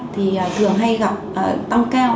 thì thường hay gặp tăng cao